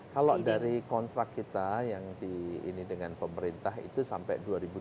kalau dari kontrak kita yang di ini dengan pemerintah itu sampai dua ribu dua puluh